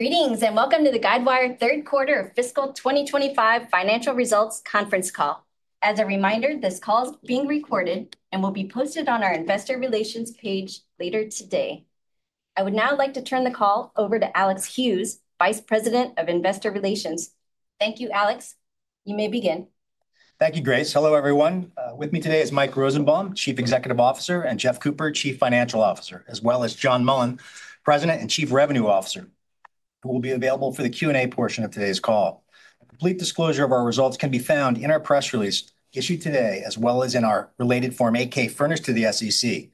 Greetings and welcome to the Guidewire Third Quarter of Fiscal 2025 Financial Results Conference Call. As a reminder, this call is being recorded and will be posted on our Investor Relations page later today. I would now like to turn the call over to Alex Hughes, Vice President of Investor Relations. Thank you, Alex. You may begin. Thank you, Grace. Hello, everyone. With me today is Mike Rosenbaum, Chief Executive Officer, and Jeff Cooper, Chief Financial Officer, as well as John Mullen, President and Chief Revenue Officer, who will be available for the Q&A portion of today's call. Complete disclosure of our results can be found in our press release issued today, as well as in our related form, a.k.a. furnished to the SEC,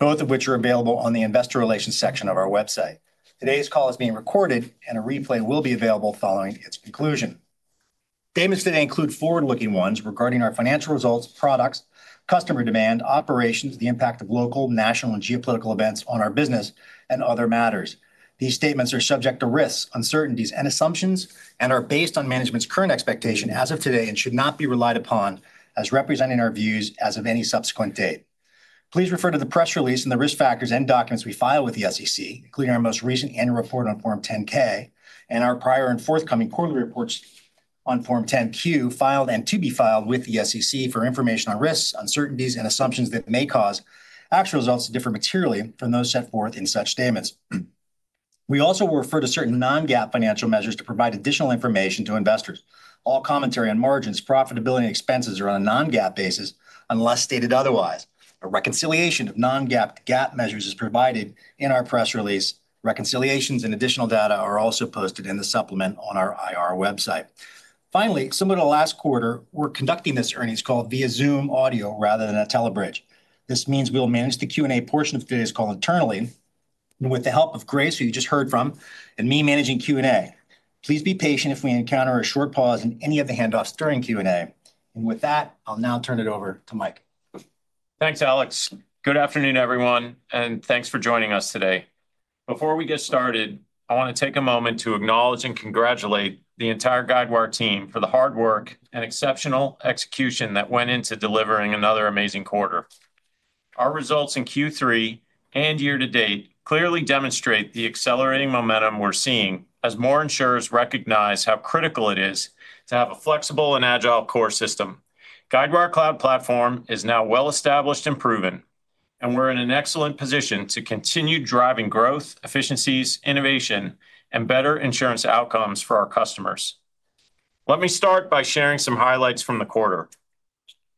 both of which are available on the Investor Relations section of our website. Today's call is being recorded, and a replay will be available following its conclusion. Statements today include forward-looking ones regarding our financial results, products, customer demand, operations, the impact of local, national, and geopolitical events on our business, and other matters. These statements are subject to risks, uncertainties, and assumptions, and are based on management's current expectation as of today and should not be relied upon as representing our views as of any subsequent date. Please refer to the press release and the risk factors and documents we file with the SEC, including our most recent annual report on Form 10-K and our prior and forthcoming quarterly reports on Form 10-Q filed and to be filed with the SEC for information on risks, uncertainties, and assumptions that may cause actual results to differ materially from those set forth in such statements. We also will refer to certain non-GAAP financial measures to provide additional information to investors. All commentary on margins, profitability, and expenses are on a non-GAAP basis unless stated otherwise. A reconciliation of non-GAAP and GAAP measures is provided in our press release. Reconciliations and additional data are also posted in the supplement on our IR website. Finally, similar to last quarter, we're conducting this earnings call via Zoom audio rather than a telebridge. This means we'll manage the Q&A portion of today's call internally with the help of Grace, who you just heard from, and me managing Q&A. Please be patient if we encounter a short pause in any of the handoffs during Q&A. With that, I'll now turn it over to Mike. Thanks, Alex. Good afternoon, everyone, and thanks for joining us today. Before we get started, I want to take a moment to acknowledge and congratulate the entire Guidewire team for the hard work and exceptional execution that went into delivering another amazing quarter. Our results in Q3 and year-to-date clearly demonstrate the accelerating momentum we're seeing as more insurers recognize how critical it is to have a flexible and agile core system. Guidewire Cloud Platform is now well-established and proven, and we're in an excellent position to continue driving growth, efficiencies, innovation, and better insurance outcomes for our customers. Let me start by sharing some highlights from the quarter.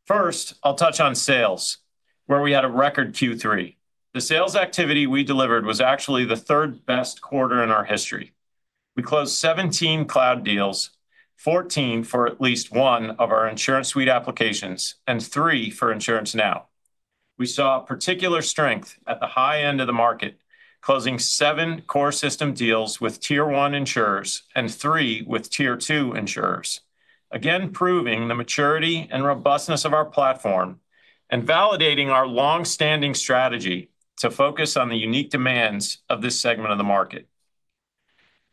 First, I'll touch on sales, where we had a record Q3. The sales activity we delivered was actually the third-best quarter in our history. We closed 17 cloud deals, 14 for at least one of our InsuranceSuite applications, and three for InsuranceNow. We saw particular strength at the high end of the market, closing seven core system deals with Tier 1 insurers and three with Tier 2 insurers, again proving the maturity and robustness of our platform and validating our long-standing strategy to focus on the unique demands of this segment of the market.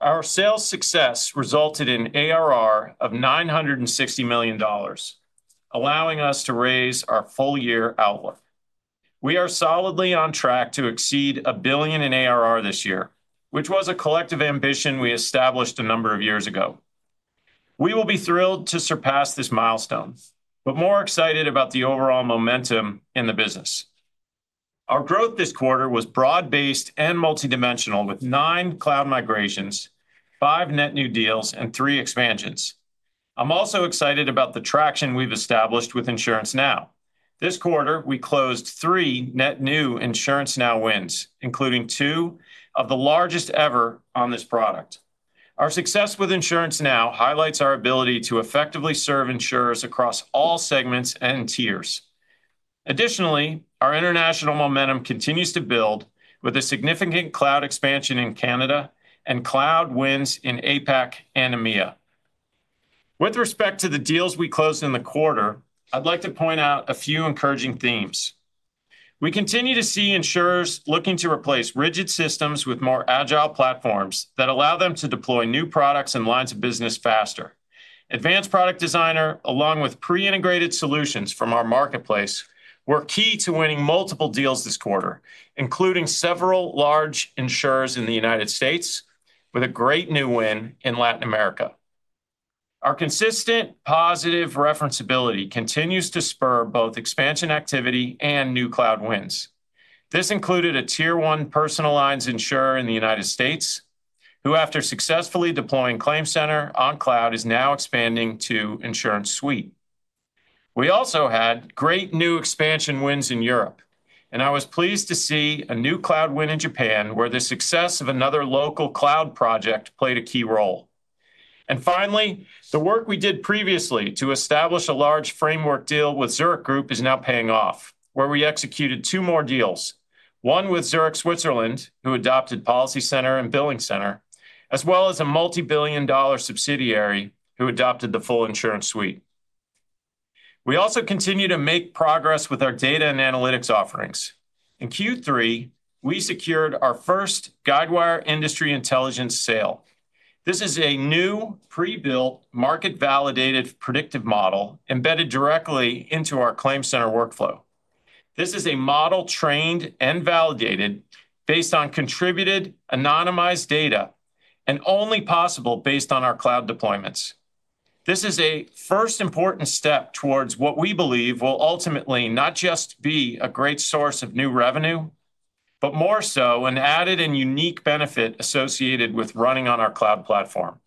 Our sales success resulted in ARR of $960 million, allowing us to raise our full-year outlook. We are solidly on track to exceed a billion in ARR this year, which was a collective ambition we established a number of years ago. We will be thrilled to surpass this milestone, but more excited about the overall momentum in the business. Our growth this quarter was broad-based and multidimensional, with nine cloud migrations, five net new deals, and three expansions. I'm also excited about the traction we've established with InsuranceNow. This quarter, we closed three net new InsuranceNow wins, including two of the largest ever on this product. Our success with InsuranceNow highlights our ability to effectively serve insurers across all segments and tiers. Additionally, our international momentum continues to build with a significant cloud expansion in Canada and cloud wins in APAC and EMEA. With respect to the deals we closed in the quarter, I'd like to point out a few encouraging themes. We continue to see insurers looking to replace rigid systems with more agile platforms that allow them to deploy new products and lines of business faster. Advanced Product Designer, along with pre-integrated solutions from our Marketplace, were key to winning multiple deals this quarter, including several large insurers in the United States with a great new win in Latin America. Our consistent positive referenceability continues to spur both expansion activity and new cloud wins. This included a Tier 1 personal lines insurer in the United States, who, after successfully deploying Claim Center on cloud, is now expanding to InsuranceSuite. We also had great new expansion wins in Europe, and I was pleased to see a new cloud win in Japan, where the success of another local cloud project played a key role. Finally, the work we did previously to establish a large framework deal with Zurich Group is now paying off, where we executed two more deals, one with Zurich Switzerland, who adopted Policy Center and Billing Center, as well as a multi-billion dollar subsidiary who adopted the full InsuranceSuite. We also continue to make progress with our data and analytics offerings. In Q3, we secured our first Guidewire Industry Intelligence sale. This is a new, pre-built, market-validated predictive model embedded directly into our Claim Center workflow. This is a model trained and validated based on contributed, anonymized data, and only possible based on our cloud deployments. This is a first important step towards what we believe will ultimately not just be a great source of new revenue, but more so an added and unique benefit associated with running on our cloud platform.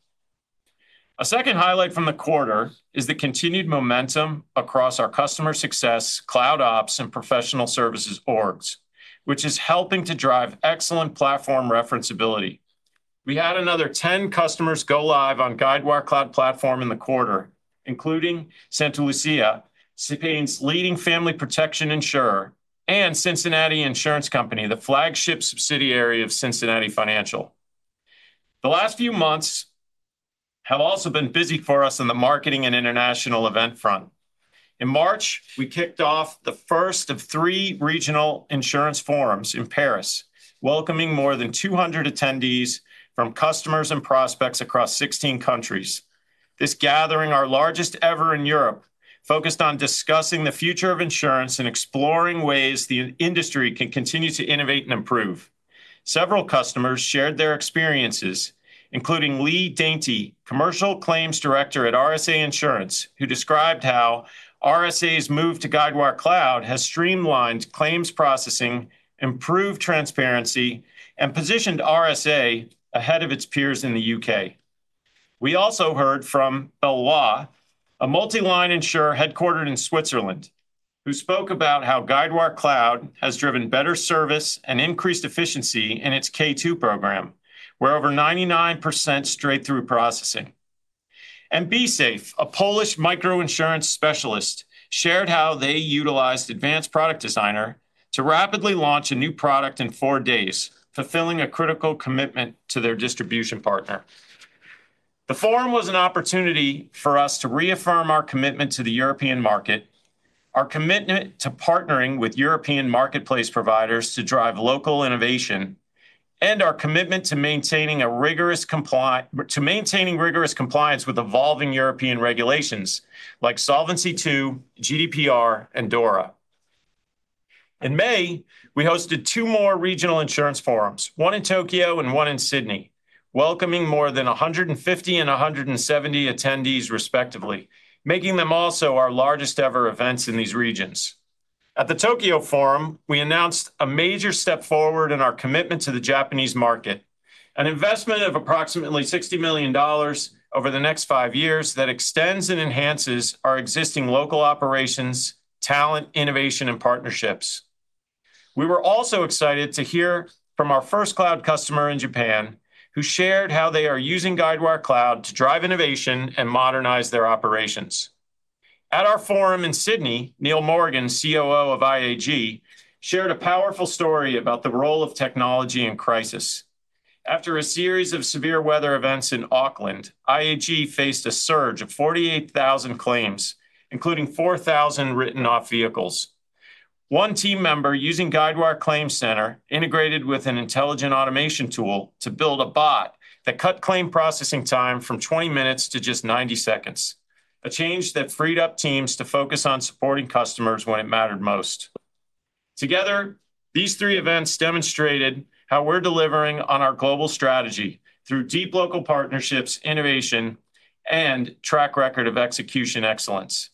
A second highlight from the quarter is the continued momentum across our customer success, cloud ops, and professional services orgs, which is helping to drive excellent platform referenceability. We had another 10 customers go live on Guidewire Cloud Platform in the quarter, including Santa Lucia, Spain's leading family protection insurer, and Cincinnati Insurance Company, the flagship subsidiary of Cincinnati Financial. The last few months have also been busy for us on the marketing and international event front. In March, we kicked off the first of three regional insurance forums in Paris, welcoming more than 200 attendees from customers and prospects across 16 countries. This gathering, our largest ever in Europe, focused on discussing the future of insurance and exploring ways the industry can continue to innovate and improve. Several customers shared their experiences, including Lee Dainty, Commercial Claims Director at RSA Insurance, who described how RSA's move to Guidewire Cloud has streamlined claims processing, improved transparency, and positioned RSA ahead of its peers in the U.K. We also heard from Bellois, a multi-line insurer headquartered in Switzerland, who spoke about how Guidewire Cloud has driven better service and increased efficiency in its K2 program, where over 99% straight-through processing. B-Safe, a Polish micro-insurance specialist, shared how they utilized Advanced Product Designer to rapidly launch a new product in four days, fulfilling a critical commitment to their distribution partner. The forum was an opportunity for us to reaffirm our commitment to the European market, our commitment to partnering with European marketplace providers to drive local innovation, and our commitment to maintaining rigorous compliance with evolving European regulations like Solvency II, GDPR, and DORA. In May, we hosted two more regional insurance forums, one in Tokyo and one in Sydney, welcoming more than 150 and 170 attendees, respectively, making them also our largest-ever events in these regions. At the Tokyo Forum, we announced a major step forward in our commitment to the Japanese market, an investment of approximately $60 million over the next five years that extends and enhances our existing local operations, talent, innovation, and partnerships. We were also excited to hear from our first cloud customer in Japan, who shared how they are using Guidewire Cloud to drive innovation and modernize their operations. At our forum in Sydney, Neil Morgan, COO of IAG, shared a powerful story about the role of technology in crisis. After a series of severe weather events in Auckland, IAG faced a surge of 48,000 claims, including 4,000 written-off vehicles. One team member using Guidewire Claim Center integrated with an intelligent automation tool to build a bot that cut claim processing time from 20 minutes to just 90 seconds, a change that freed up teams to focus on supporting customers when it mattered most. Together, these three events demonstrated how we're delivering on our global strategy through deep local partnerships, innovation, and track record of execution excellence.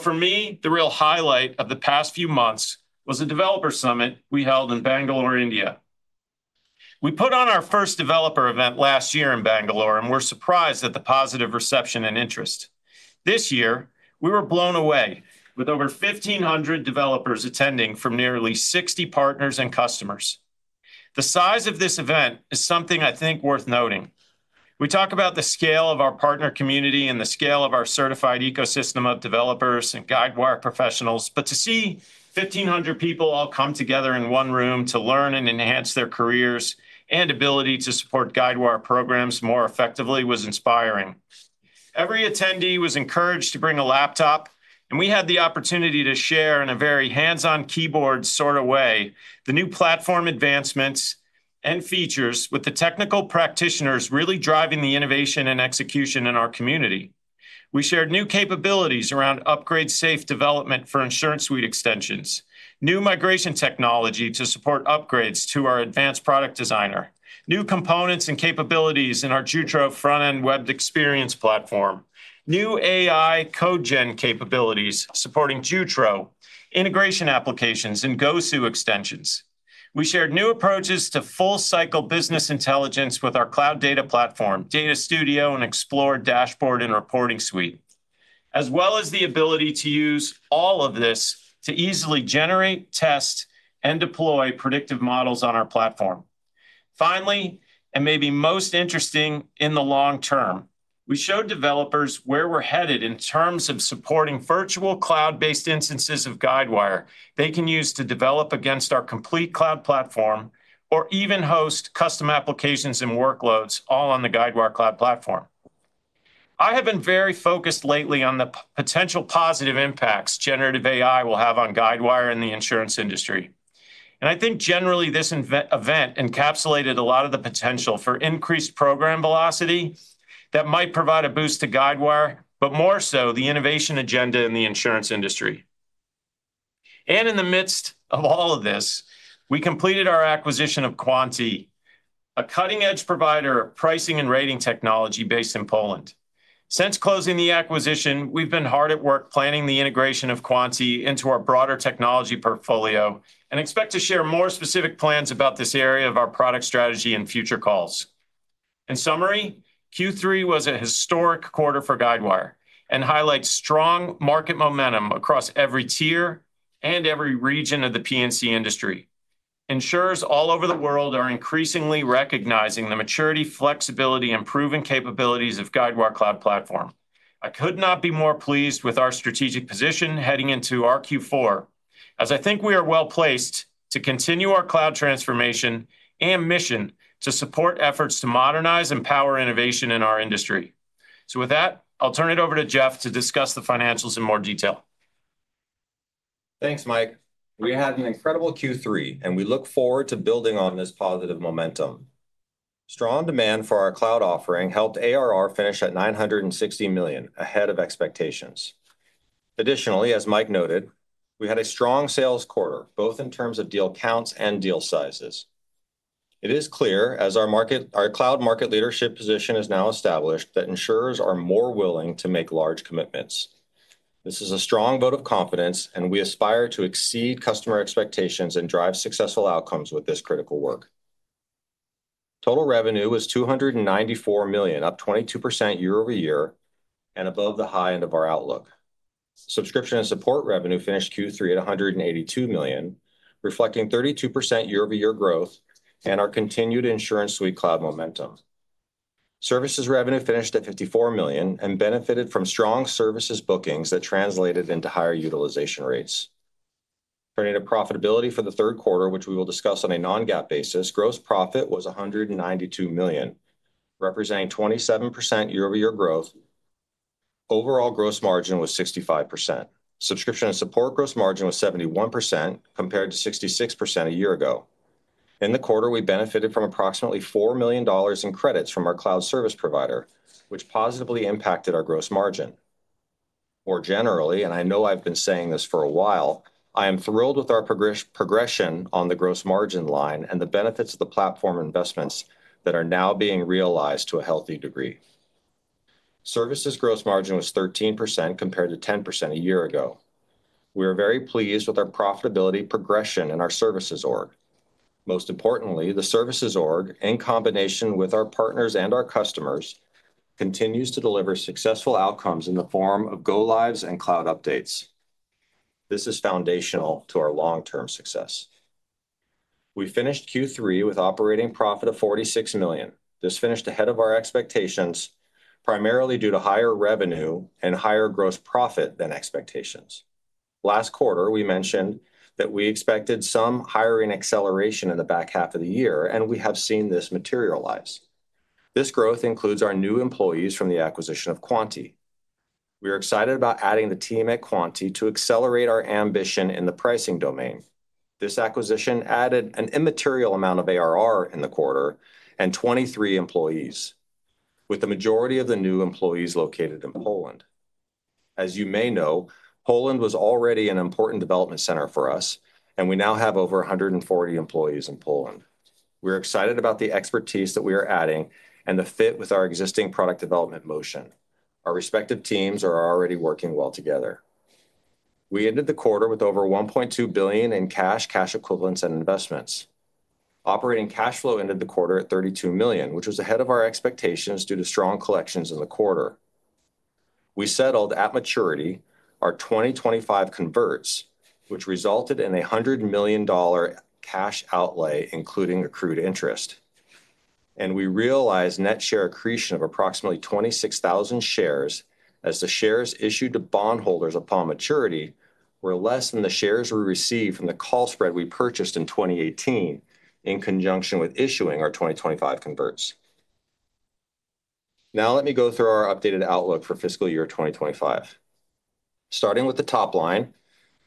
For me, the real highlight of the past few months was the Developer Summit we held in Bangalore, India. We put on our first developer event last year in Bangalore, and we were surprised at the positive reception and interest. This year, we were blown away with over 1,500 developers attending from nearly 60 partners and customers. The size of this event is something I think worth noting. We talk about the scale of our partner community and the scale of our certified ecosystem of developers and Guidewire professionals, but to see 1,500 people all come together in one room to learn and enhance their careers and ability to support Guidewire programs more effectively was inspiring. Every attendee was encouraged to bring a laptop, and we had the opportunity to share in a very hands-on keyboard sort of way the new platform advancements and features with the technical practitioners really driving the innovation and execution in our community. We shared new capabilities around upgrade-safe development for InsuranceSuite extensions, new migration technology to support upgrades to our Advanced Product Designer, new components and capabilities in our Jutro front-end web experience platform, new AI code gen capabilities supporting Jutro integration applications and GoSu extensions. We shared new approaches to full-cycle business intelligence with our cloud data platform, Data Studio, and Explore dashboard and reporting suite, as well as the ability to use all of this to easily generate, test, and deploy predictive models on our platform. Finally, and maybe most interesting in the long term, we showed developers where we're headed in terms of supporting virtual cloud-based instances of Guidewire they can use to develop against our complete cloud platform or even host custom applications and workloads all on the Guidewire Cloud Platform. I have been very focused lately on the potential positive impacts generative AI will have on Guidewire and the insurance industry. I think generally this event encapsulated a lot of the potential for increased program velocity that might provide a boost to Guidewire, but more so the innovation agenda in the insurance industry. In the midst of all of this, we completed our acquisition of Quanti, a cutting-edge provider of pricing and rating technology based in Poland. Since closing the acquisition, we've been hard at work planning the integration of Quanti into our broader technology portfolio and expect to share more specific plans about this area of our product strategy in future calls. In summary, Q3 was a historic quarter for Guidewire and highlights strong market momentum across every tier and every region of the P&C industry. Insurers all over the world are increasingly recognizing the maturity, flexibility, and proven capabilities of Guidewire Cloud Platform. I could not be more pleased with our strategic position heading into our Q4, as I think we are well placed to continue our cloud transformation and mission to support efforts to modernize and power innovation in our industry. With that, I'll turn it over to Jeff to discuss the financials in more detail. Thanks, Mike. We had an incredible Q3, and we look forward to building on this positive momentum. Strong demand for our cloud offering helped ARR finish at $960 million ahead of expectations. Additionally, as Mike noted, we had a strong sales quarter, both in terms of deal counts and deal sizes. It is clear, as our cloud market leadership position is now established, that insurers are more willing to make large commitments. This is a strong vote of confidence, and we aspire to exceed customer expectations and drive successful outcomes with this critical work. Total revenue was $294 million, up 22% year over year and above the high end of our outlook. Subscription and support revenue finished Q3 at $182 million, reflecting 32% year-over-year growth and our continued InsuranceSuite cloud momentum. Services revenue finished at $54 million and benefited from strong services bookings that translated into higher utilization rates. Turning to profitability for the third quarter, which we will discuss on a non-GAAP basis, gross profit was $192 million, representing 27% year-over-year growth. Overall gross margin was 65%. Subscription and support gross margin was 71% compared to 66% a year ago. In the quarter, we benefited from approximately $4 million in credits from our cloud service provider, which positively impacted our gross margin. More generally, and I know I've been saying this for a while, I am thrilled with our progression on the gross margin line and the benefits of the platform investments that are now being realized to a healthy degree. Services gross margin was 13% compared to 10% a year ago. We are very pleased with our profitability progression in our services org. Most importantly, the services org, in combination with our partners and our customers, continues to deliver successful outcomes in the form of go-lives and cloud updates. This is foundational to our long-term success. We finished Q3 with operating profit of $46 million. This finished ahead of our expectations, primarily due to higher revenue and higher gross profit than expectations. Last quarter, we mentioned that we expected some hiring acceleration in the back half of the year, and we have seen this materialize. This growth includes our new employees from the acquisition of Quanti. We are excited about adding the team at Quanti to accelerate our ambition in the pricing domain. This acquisition added an immaterial amount of ARR in the quarter and 23 employees, with the majority of the new employees located in Poland. As you may know, Poland was already an important development center for us, and we now have over 140 employees in Poland. We are excited about the expertise that we are adding and the fit with our existing product development motion. Our respective teams are already working well together. We ended the quarter with over $1.2 billion in cash, cash equivalents, and investments. Operating cash flow ended the quarter at $32 million, which was ahead of our expectations due to strong collections in the quarter. We settled at maturity our 2025 converts, which resulted in a $100 million cash outlay, including accrued interest. We realized net share accretion of approximately 26,000 shares as the shares issued to bondholders upon maturity were less than the shares we received from the call spread we purchased in 2018 in conjunction with issuing our 2025 converts. Now let me go through our updated outlook for fiscal year 2025. Starting with the top line,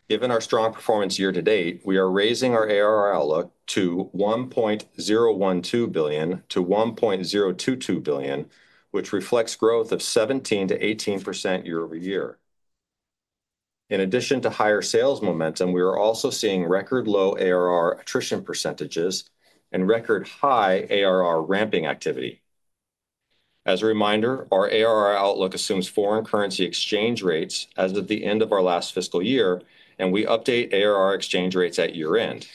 given our strong performance year to date, we are raising our ARR outlook to $1.012 billion-$1.022 billion, which reflects growth of 17%-18% year over year. In addition to higher sales momentum, we are also seeing record low ARR attrition percentages and record high ARR ramping activity. As a reminder, our ARR outlook assumes foreign currency exchange rates as of the end of our last fiscal year, and we update ARR exchange rates at year-end.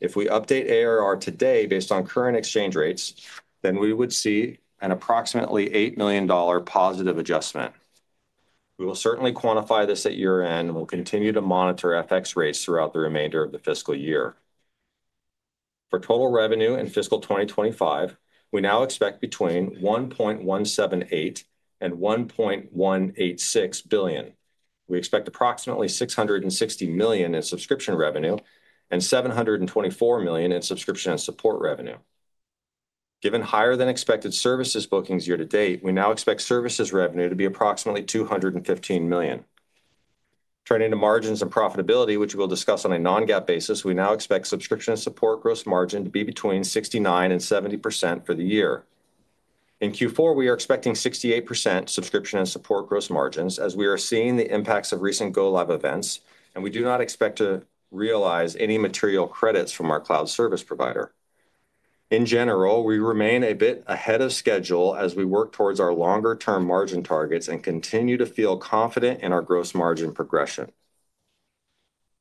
If we update ARR today based on current exchange rates, then we would see an approximately $8 million positive adjustment. We will certainly quantify this at year-end and will continue to monitor FX rates throughout the remainder of the fiscal year. For total revenue in fiscal 2025, we now expect between $1.178 billion and $1.186 billion. We expect approximately $660 million in subscription revenue and $724 million in subscription and support revenue. Given higher-than-expected services bookings year to date, we now expect services revenue to be approximately $215 million. Turning to margins and profitability, which we'll discuss on a non-GAAP basis, we now expect subscription and support gross margin to be between 69%-70% for the year. In Q4, we are expecting 68% subscription and support gross margins as we are seeing the impacts of recent go-live events, and we do not expect to realize any material credits from our cloud service provider. In general, we remain a bit ahead of schedule as we work towards our longer-term margin targets and continue to feel confident in our gross margin progression.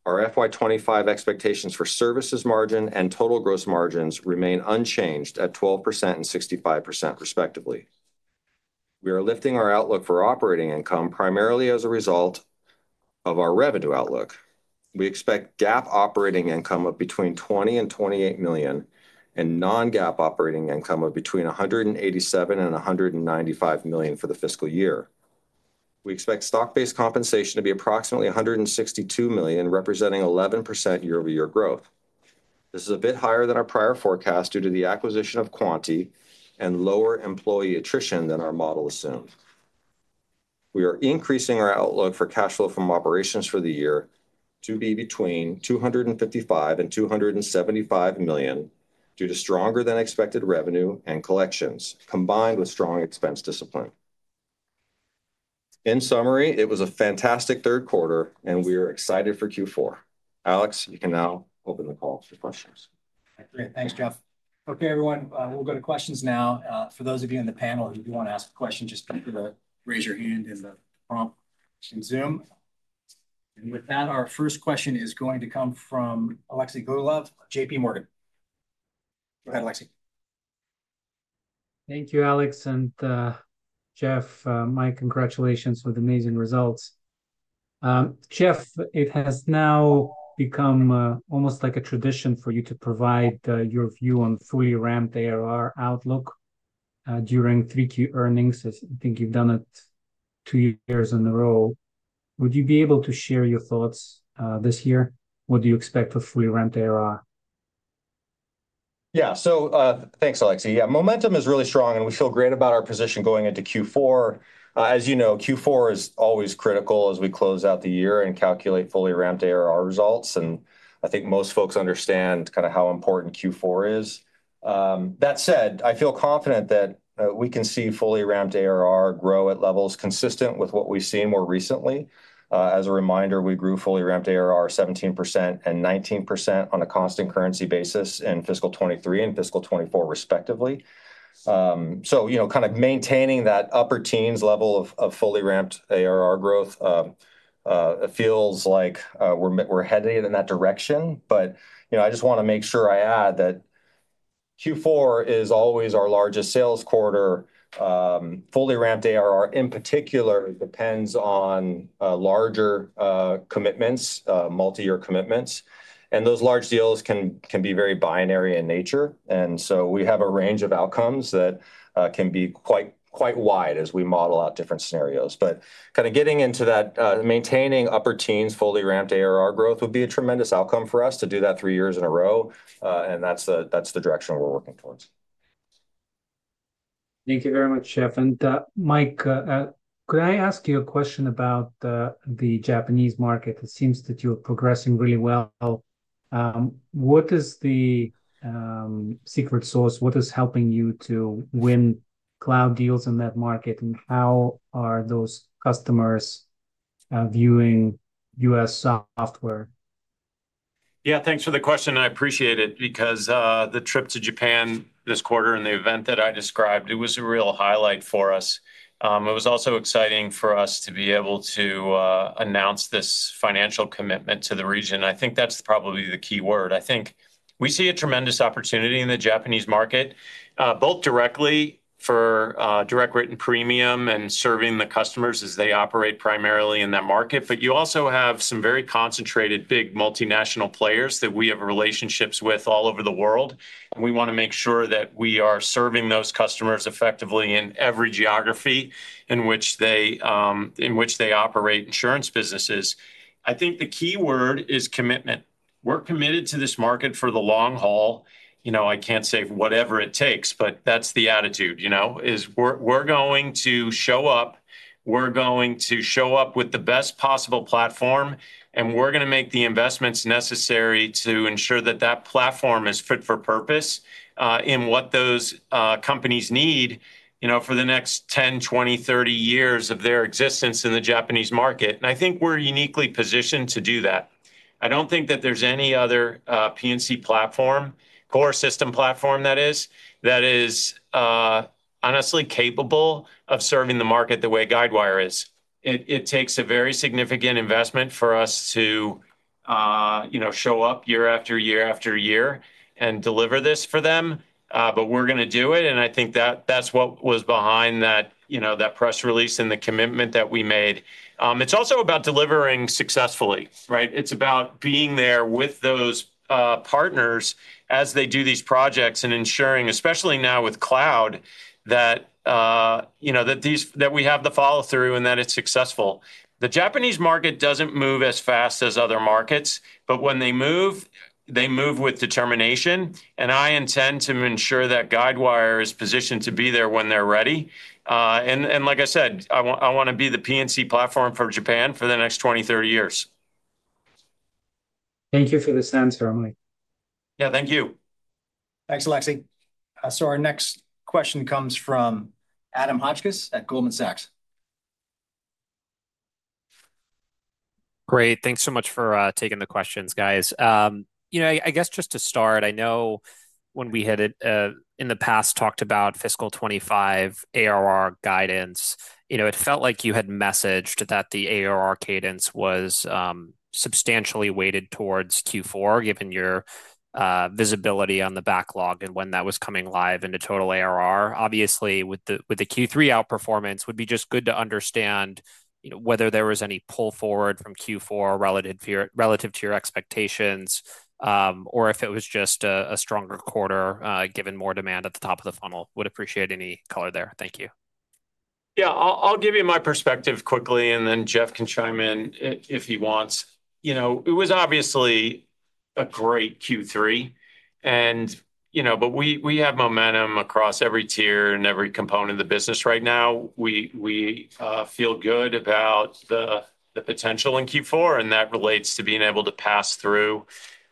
Our FY2025 expectations for services margin and total gross margins remain unchanged at 12% and 65%, respectively. We are lifting our outlook for operating income primarily as a result of our revenue outlook. We expect GAAP operating income of between $20 million and $28 million and non-GAAP operating income of between $187 million and $195 million for the fiscal year. We expect stock-based compensation to be approximately $162 million, representing 11% year-over-year growth. This is a bit higher than our prior forecast due to the acquisition of Quanti and lower employee attrition than our model assumed. We are increasing our outlook for cash flow from operations for the year to be between $255 million and $275 million due to stronger-than-expected revenue and collections combined with strong expense discipline. In summary, it was a fantastic third quarter, and we are excited for Q4. Alex, you can now open the call for questions. Thanks, Jeff. Okay, everyone, we'll go to questions now. For those of you in the panel who do want to ask a question, just be sure to raise your hand in the prompt in Zoom. With that, our first question is going to come from Alexei Gogolev, JP Morgan. Go ahead, Alexey. Thank you, Alex. Jeff, Mike, congratulations with amazing results. Jeff, it has now become almost like a tradition for you to provide your view on fully ramped ARR outlook during three-quarter earnings. I think you have done it two years in a row. Would you be able to share your thoughts this year? What do you expect for fully ramped ARR? Yeah, thanks, Alexey. Yeah, momentum is really strong, and we feel great about our position going into Q4. As you know, Q4 is always critical as we close out the year and calculate fully ramped ARR results. I think most folks understand kind of how important Q4 is. That said, I feel confident that we can see fully ramped ARR grow at levels consistent with what we've seen more recently. As a reminder, we grew fully ramped ARR 17% and 19% on a constant currency basis in fiscal 2023 and fiscal 2024, respectively. You know, kind of maintaining that upper teens level of fully ramped ARR growth feels like we're heading in that direction. I just want to make sure I add that Q4 is always our largest sales quarter. Fully ramped ARR, in particular, depends on larger commitments, multi-year commitments. Those large deals can be very binary in nature, and we have a range of outcomes that can be quite wide as we model out different scenarios. Kind of getting into that, maintaining upper teens fully ramped ARR growth would be a tremendous outcome for us to do that three years in a row. That's the direction we're working towards. Thank you very much, Jeff. Mike, could I ask you a question about the Japanese market? It seems that you're progressing really well. What is the secret sauce? What is helping you to win cloud deals in that market? How are those customers viewing U.S. software? Yeah, thanks for the question. I appreciate it because the trip to Japan this quarter and the event that I described, it was a real highlight for us. It was also exciting for us to be able to announce this financial commitment to the region. I think that's probably the key word. I think we see a tremendous opportunity in the Japanese market, both directly for direct written premium and serving the customers as they operate primarily in that market. You also have some very concentrated big multinational players that we have relationships with all over the world. We want to make sure that we are serving those customers effectively in every geography in which they operate insurance businesses. I think the key word is commitment. We're committed to this market for the long haul. You know, I can't say whatever it takes, but that's the attitude, you know, is we're going to show up. We're going to show up with the best possible platform, and we're going to make the investments necessary to ensure that that platform is fit for purpose, in what those companies need, you know, for the next 10, 20, 30 years of their existence in the Japanese market. I think we're uniquely positioned to do that. I don't think that there's any other P&C platform, core system platform, that is honestly capable of serving the market the way Guidewire is. It takes a very significant investment for us to, you know, show up year after year after year and deliver this for them. We're going to do it. I think that that's what was behind that, you know, that press release and the commitment that we made. It's also about delivering successfully, right? It's about being there with those partners as they do these projects and ensuring, especially now with cloud, that, you know, that we have the follow-through and that it's successful. The Japanese market doesn't move as fast as other markets, but when they move, they move with determination. I intend to ensure that Guidewire is positioned to be there when they're ready. Like I said, I want to be the P&C platform for Japan for the next 20, 30 years. Thank you for this answer, Mike. Yeah, thank you. Thanks, Alexey. Our next question comes from Adam Hotchkiss at Goldman Sachs. Great. Thanks so much for taking the questions, guys. You know, I guess just to start, I know when we had, in the past, talked about fiscal 2025 ARR guidance, you know, it felt like you had messaged that the ARR cadence was substantially weighted towards Q4, given your visibility on the backlog and when that was coming live into total ARR. Obviously, with the Q3 outperformance, it would be just good to understand, you know, whether there was any pull forward from Q4 relative to your expectations, or if it was just a stronger quarter, given more demand at the top of the funnel. Would appreciate any color there. Thank you. Yeah, I'll give you my perspective quickly, and then Jeff can chime in if he wants. You know, it was obviously a great Q3, and, you know, we have momentum across every tier and every component of the business right now. We feel good about the potential in Q4, and that relates to being able to pass through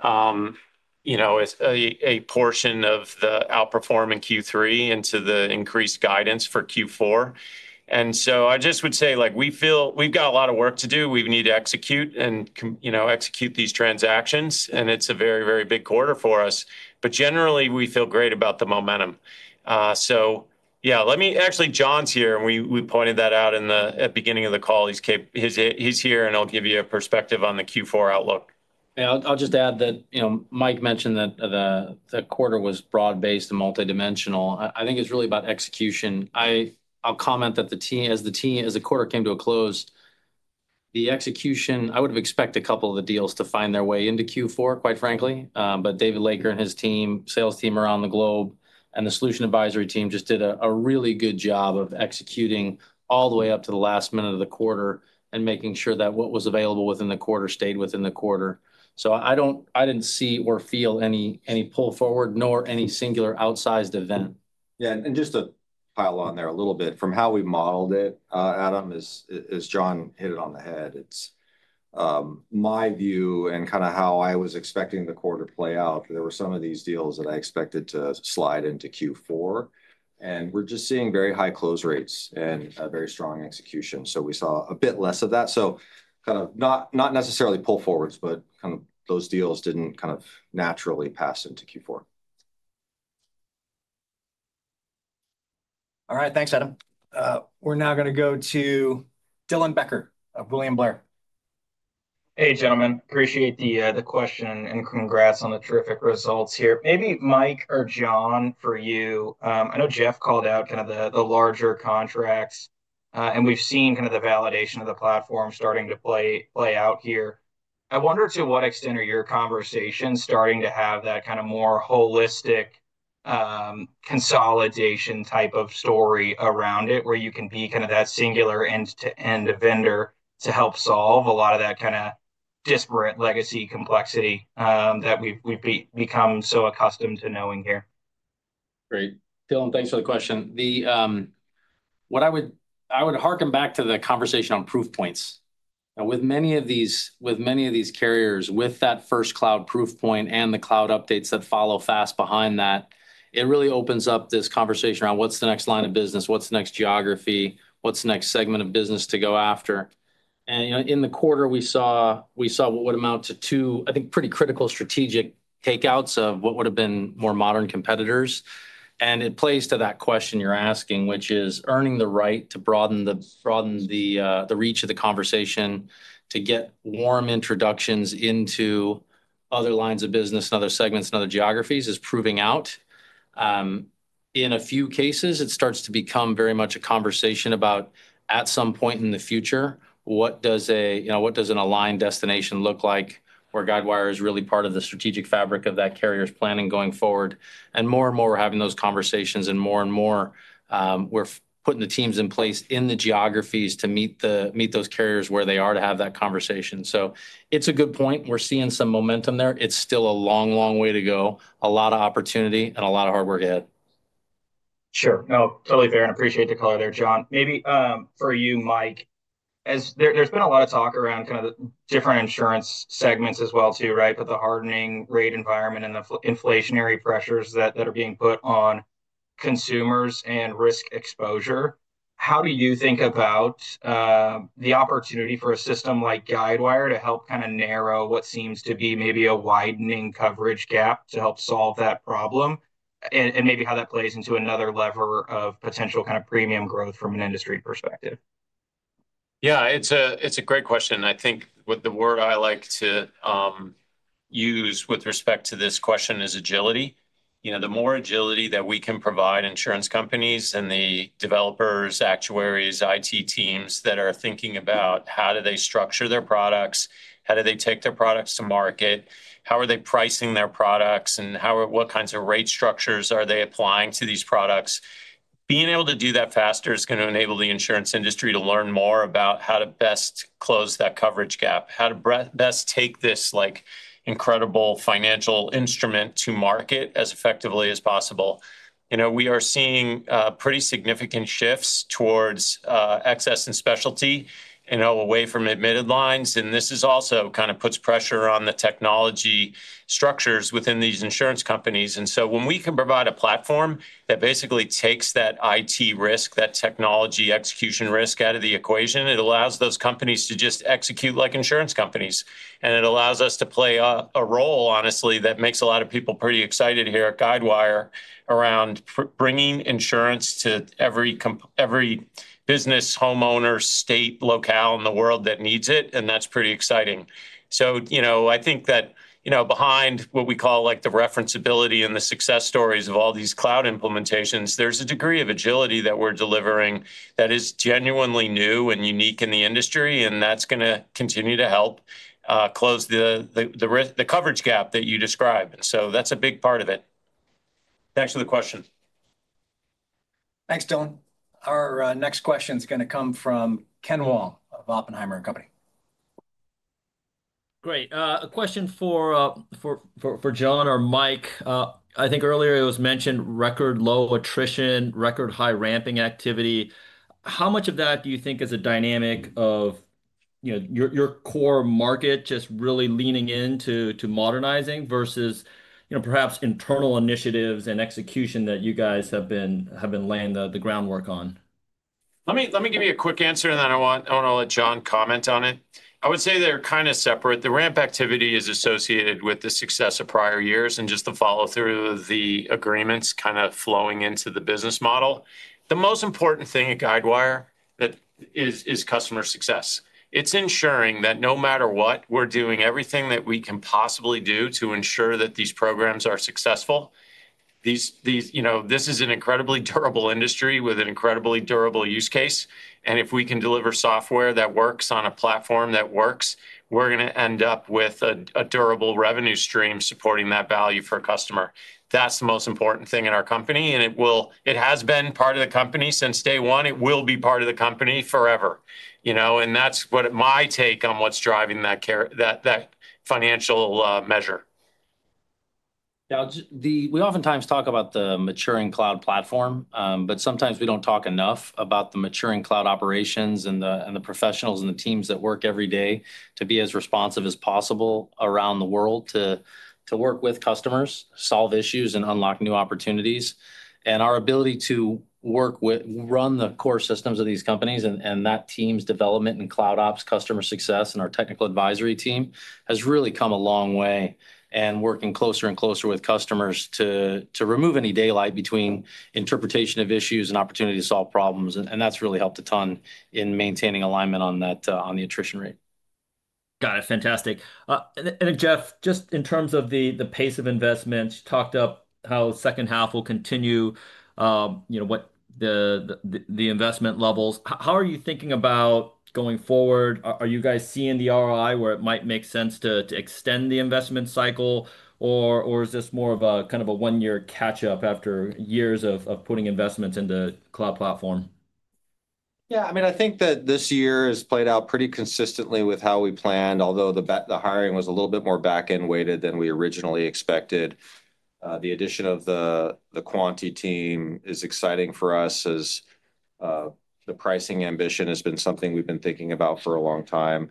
a portion of the outperform in Q3 into the increased guidance for Q4. I just would say, like, we feel we've got a lot of work to do. We need to execute and, you know, execute these transactions, and it's a very, very big quarter for us. Generally, we feel great about the momentum. Yeah, let me actually, John's here, and we pointed that out at the beginning of the call. He's here, and I'll give you a perspective on the Q4 outlook. Yeah, I'll just add that, you know, Mike mentioned that the quarter was broad-based and multidimensional. I think it's really about execution. I'll comment that as the quarter came to a close, the execution, I would have expected a couple of the deals to find their way into Q4, quite frankly. David Laker and his sales team around the globe, and the solution advisory team just did a really good job of executing all the way up to the last minute of the quarter and making sure that what was available within the quarter stayed within the quarter. I didn't see or feel any pull forward, nor any singular outsized event. Yeah, and just to pile on there a little bit, from how we modeled it, Adam, as John hit it on the head, it's my view and kind of how I was expecting the quarter to play out. There were some of these deals that I expected to slide into Q4, and we're just seeing very high close rates and a very strong execution. We saw a bit less of that. Kind of not necessarily pull forwards, but those deals did not naturally pass into Q4. All right, thanks, Adam. We're now going to go to Dylan Becker of William Blair. Hey, gentlemen, appreciate the question and congrats on the terrific results here. Maybe Mike or John, for you. I know Jeff called out kind of the larger contracts, and we've seen kind of the validation of the platform starting to play out here. I wonder to what extent are your conversations starting to have that kind of more holistic, consolidation type of story around it, where you can be kind of that singular end-to-end vendor to help solve a lot of that kind of disparate legacy complexity that we've become so accustomed to knowing here. Great. Dylan, thanks for the question. What I would harken back to is the conversation on proof points. Now, with many of these carriers, with that first cloud proof point and the cloud updates that follow fast behind that, it really opens up this conversation around what's the next line of business, what's the next geography, what's the next segment of business to go after. You know, in the quarter, we saw what would amount to two, I think, pretty critical strategic takeouts of what would have been more modern competitors. It plays to that question you're asking, which is earning the right to broaden the reach of the conversation to get warm introductions into other lines of business and other segments and other geographies is proving out. In a few cases, it starts to become very much a conversation about, at some point in the future, what does a, you know, what does an aligned destination look like where Guidewire is really part of the strategic fabric of that carrier's planning going forward. More and more we're having those conversations, and more and more, we're putting the teams in place in the geographies to meet those carriers where they are to have that conversation. It's a good point. We're seeing some momentum there. It's still a long, long way to go. A lot of opportunity and a lot of hard work ahead. Sure. No, totally fair. I appreciate the color there, John. Maybe, for you, Mike, as there's been a lot of talk around kind of the different insurance segments as well, too, right? The hardening rate environment and the inflationary pressures that are being put on consumers and risk exposure, how do you think about the opportunity for a system like Guidewire to help kind of narrow what seems to be maybe a widening coverage gap to help solve that problem and maybe how that plays into another lever of potential kind of premium growth from an industry perspective? Yeah, it's a great question. I think what the word I like to use with respect to this question is agility. You know, the more agility that we can provide insurance companies and the developers, actuaries, IT teams that are thinking about how do they structure their products, how do they take their products to market, how are they pricing their products, and what kinds of rate structures are they applying to these products. Being able to do that faster is going to enable the insurance industry to learn more about how to best close that coverage gap, how to best take this like incredible financial instrument to market as effectively as possible. You know, we are seeing pretty significant shifts towards excess and specialty and away from admitted lines. This also kind of puts pressure on the technology structures within these insurance companies. When we can provide a platform that basically takes that IT risk, that technology execution risk out of the equation, it allows those companies to just execute like insurance companies. It allows us to play a role, honestly, that makes a lot of people pretty excited here at Guidewire around bringing insurance to every business, homeowner, state, locale in the world that needs it. That's pretty exciting. You know, I think that, you know, behind what we call like the referenceability and the success stories of all these cloud implementations, there's a degree of agility that we're delivering that is genuinely new and unique in the industry. That's going to continue to help close the coverage gap that you describe. That's a big part of it. Thanks for the question. Thanks, Dylan. Our next question is going to come from Ken Wong of Oppenheimer and Company. Great. A question for John or Mike. I think earlier it was mentioned record low attrition, record high ramping activity. How much of that do you think is a dynamic of, you know, your core market just really leaning into modernizing versus, you know, perhaps internal initiatives and execution that you guys have been laying the groundwork on? Let me give you a quick answer, and then I want to let John comment on it. I would say they're kind of separate. The ramp activity is associated with the success of prior years and just the follow-through of the agreements kind of flowing into the business model. The most important thing at Guidewire is customer success. It's ensuring that no matter what, we're doing everything that we can possibly do to ensure that these programs are successful. These, you know, this is an incredibly durable industry with an incredibly durable use case. If we can deliver software that works on a platform that works, we're going to end up with a durable revenue stream supporting that value for a customer. That's the most important thing in our company. It has been part of the company since day one. It will be part of the company forever. You know, that's my take on what's driving that financial measure. We oftentimes talk about the maturing cloud platform, but sometimes we don't talk enough about the maturing cloud operations and the professionals and the teams that work every day to be as responsive as possible around the world to work with customers, solve issues, and unlock new opportunities. Our ability to work with, run the core systems of these companies, and that team's development and cloud ops, customer success, and our technical advisory team has really come a long way in working closer and closer with customers to remove any daylight between interpretation of issues and opportunity to solve problems. That has really helped a ton in maintaining alignment on the attrition rate. Got it. Fantastic. Jeff, just in terms of the pace of investments, you talked up how second half will continue, you know, what the investment levels are. How are you thinking about going forward? Are you guys seeing the ROI where it might make sense to extend the investment cycle, or is this more of a kind of a one-year catch-up after years of putting investments into cloud platform? Yeah, I mean, I think that this year has played out pretty consistently with how we planned, although the hiring was a little bit more back-end weighted than we originally expected. The addition of the Quanti team is exciting for us as the pricing ambition has been something we've been thinking about for a long time.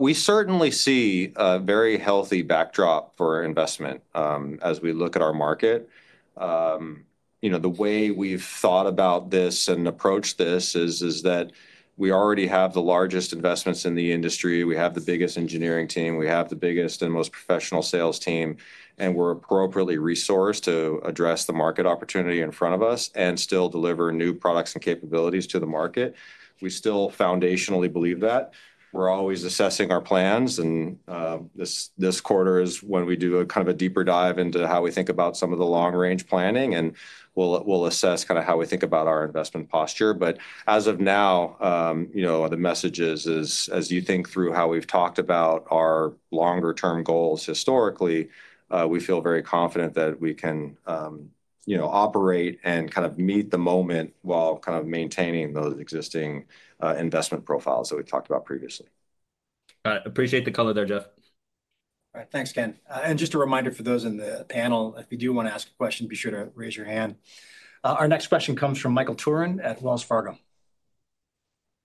We certainly see a very healthy backdrop for investment as we look at our market. You know, the way we've thought about this and approached this is that we already have the largest investments in the industry. We have the biggest engineering team. We have the biggest and most professional sales team. We're appropriately resourced to address the market opportunity in front of us and still deliver new products and capabilities to the market. We still foundationally believe that. We're always assessing our plans. This quarter is when we do a kind of a deeper dive into how we think about some of the long-range planning. We'll assess kind of how we think about our investment posture. As of now, you know, the message is, as you think through how we've talked about our longer-term goals historically, we feel very confident that we can, you know, operate and kind of meet the moment while kind of maintaining those existing investment profiles that we talked about previously. Got it. Appreciate the color there, Jeff. All right. Thanks, Ken. Just a reminder for those in the panel, if you do want to ask a question, be sure to raise your hand. Our next question comes from Michael Turin at Wells Fargo.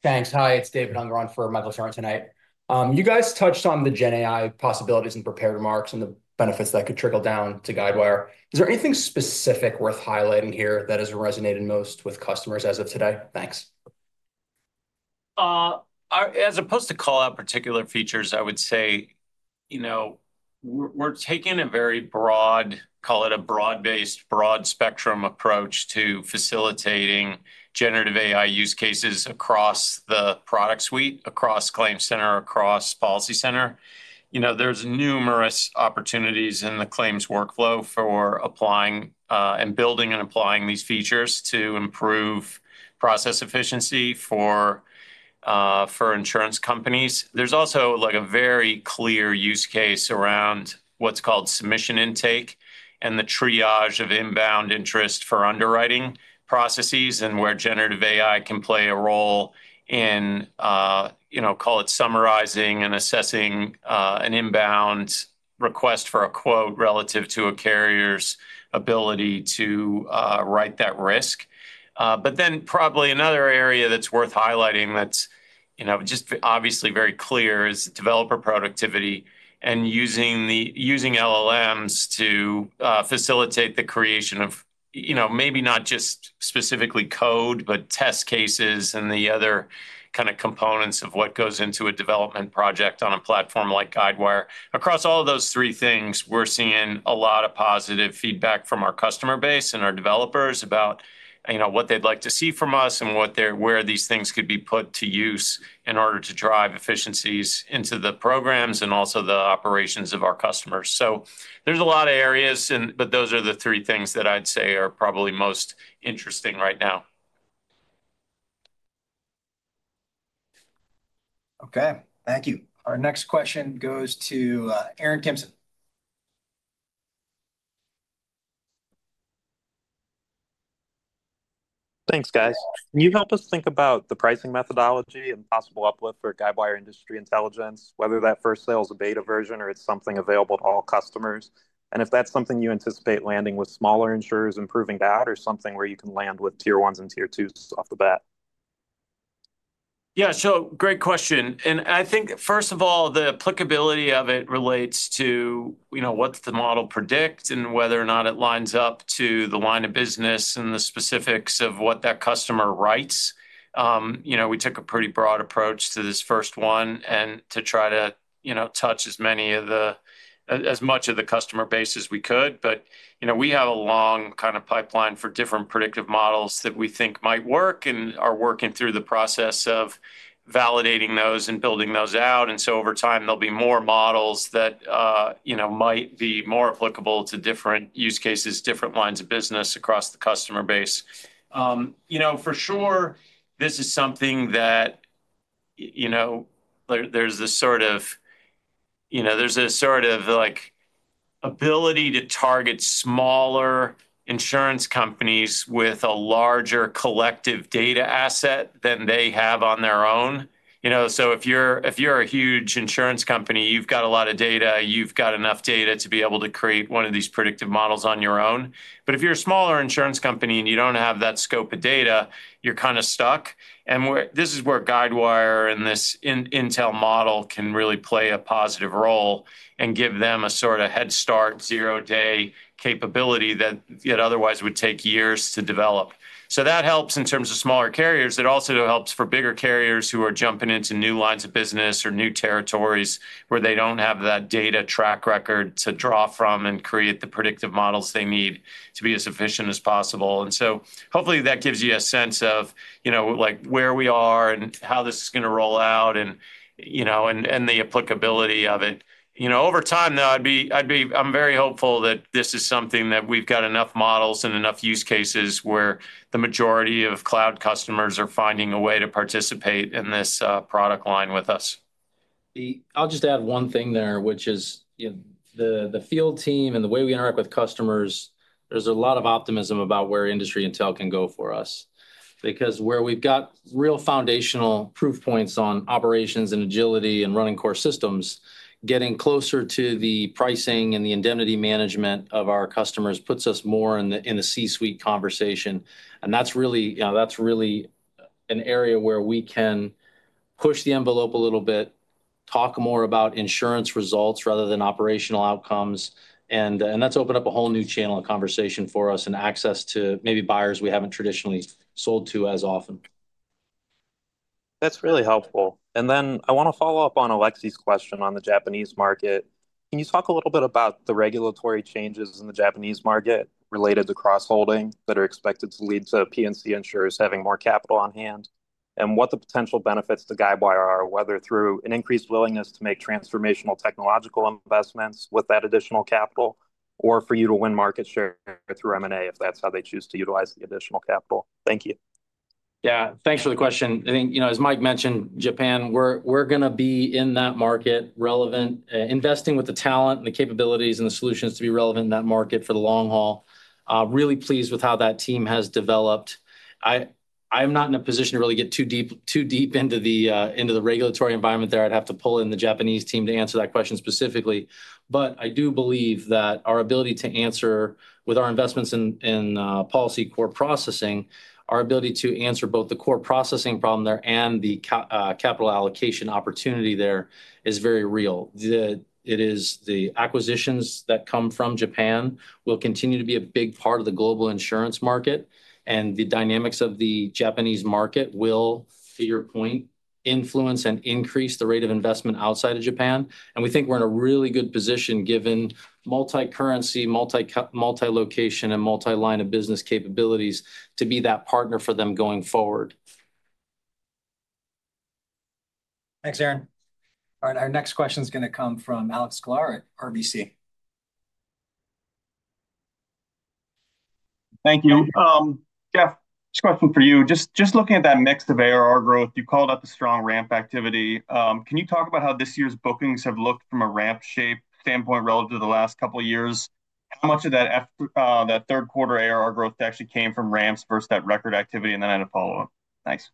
Thanks. Hi, it's David Hungron for Michael Turin tonight. You guys touched on the GenAI possibilities and prepared remarks and the benefits that could trickle down to Guidewire. Is there anything specific worth highlighting here that has resonated most with customers as of today? Thanks. As opposed to call out particular features, I would say, you know, we're taking a very broad, call it a broad-based, broad spectrum approach to facilitating generative AI use cases across the product suite, across ClaimCenter, across PolicyCenter. You know, there's numerous opportunities in the claims workflow for applying and building and applying these features to improve process efficiency for insurance companies. There's also like a very clear use case around what's called submission intake and the triage of inbound interest for underwriting processes and where generative AI can play a role in, you know, call it summarizing and assessing an inbound request for a quote relative to a carrier's ability to write that risk. Probably another area that's worth highlighting that's, you know, just obviously very clear is developer productivity and using the using LLMs to facilitate the creation of, you know, maybe not just specifically code, but test cases and the other kind of components of what goes into a development project on a platform like Guidewire. Across all of those three things, we're seeing a lot of positive feedback from our customer base and our developers about, you know, what they'd like to see from us and what they're, where these things could be put to use in order to drive efficiencies into the programs and also the operations of our customers. There's a lot of areas, but those are the three things that I'd say are probably most interesting right now. Okay. Thank you. Our next question goes to Aaron Jacob Kimson. Thanks, guys. Can you help us think about the pricing methodology and possible uplift for Guidewire Industry Intelligence, whether that first sale is a beta version or it's something available to all customers? And if that's something you anticipate landing with smaller insurers improving that or something where you can land with tier ones and tier twos off the bat? Yeah. Great question. I think, first of all, the applicability of it relates to, you know, what the model predicts and whether or not it lines up to the line of business and the specifics of what that customer writes. You know, we took a pretty broad approach to this first one to try to, you know, touch as much of the customer base as we could. We have a long kind of pipeline for different predictive models that we think might work and are working through the process of validating those and building those out. Over time, there will be more models that, you know, might be more applicable to different use cases, different lines of business across the customer base. You know, for sure, this is something that, you know, there's this sort of, you know, there's a sort of like ability to target smaller insurance companies with a larger collective data asset than they have on their own. You know, if you're a huge insurance company, you've got a lot of data. You've got enough data to be able to create one of these predictive models on your own. If you're a smaller insurance company and you don't have that scope of data, you're kind of stuck. This is where Guidewire and this Intel model can really play a positive role and give them a sort of head start, zero-day capability that it otherwise would take years to develop. That helps in terms of smaller carriers. It also helps for bigger carriers who are jumping into new lines of business or new territories where they do not have that data track record to draw from and create the predictive models they need to be as efficient as possible. Hopefully that gives you a sense of, you know, like where we are and how this is going to roll out and, you know, the applicability of it. You know, over time, though, I am very hopeful that this is something that we have got enough models and enough use cases where the majority of cloud customers are finding a way to participate in this product line with us. I'll just add one thing there, which is, you know, the field team and the way we interact with customers, there's a lot of optimism about where Industry Intelligence can go for us because where we've got real foundational proof points on operations and agility and running core systems, getting closer to the pricing and the indemnity management of our customers puts us more in the C-suite conversation. That's really, you know, that's really an area where we can push the envelope a little bit, talk more about insurance results rather than operational outcomes. That's opened up a whole new channel of conversation for us and access to maybe buyers we haven't traditionally sold to as often. That's really helpful. I want to follow up on Alexei's question on the Japanese market. Can you talk a little bit about the regulatory changes in the Japanese market related to cross-holding that are expected to lead to P&C insurers having more capital on hand and what the potential benefits to Guidewire are, whether through an increased willingness to make transformational technological investments with that additional capital or for you to win market share through M&A if that's how they choose to utilize the additional capital. Thank you. Yeah. Thanks for the question. I think, you know, as Mike mentioned, Japan, we're going to be in that market relevant, investing with the talent and the capabilities and the solutions to be relevant in that market for the long haul. Really pleased with how that team has developed. I'm not in a position to really get too deep into the regulatory environment there. I'd have to pull in the Japanese team to answer that question specifically. I do believe that our ability to answer with our investments in policy core processing, our ability to answer both the core processing problem there and the capital allocation opportunity there is very real. It is the acquisitions that come from Japan will continue to be a big part of the global insurance market. The dynamics of the Japanese market will, to your point, influence and increase the rate of investment outside of Japan. We think we're in a really good position given multi-currency, multi-location, and multi-line of business capabilities to be that partner for them going forward. Thanks, Aaron. All right. Our next question is going to come from Alex Clark at RBC. Thank you. Jeff, this question for you. Just looking at that mix of ARR growth, you called out the strong ramp activity. Can you talk about how this year's bookings have looked from a ramp shape standpoint relative to the last couple of years? How much of that third quarter ARR growth actually came from ramps versus that record activity? I had a follow-up. Thanks.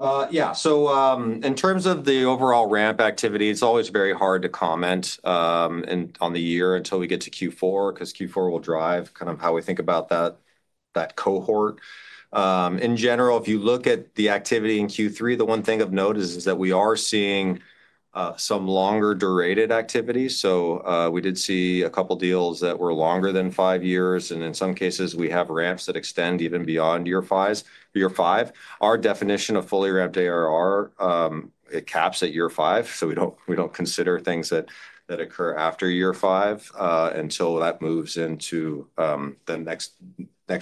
Yeah. In terms of the overall ramp activity, it's always very hard to comment on the year until we get to Q4 because Q4 will drive kind of how we think about that cohort. In general, if you look at the activity in Q3, the one thing of note is that we are seeing some longer durated activity. We did see a couple deals that were longer than five years. In some cases, we have ramps that extend even beyond year five. Our definition of fully ramped ARR, it caps at year five. We do not consider things that occur after year five until that moves into the next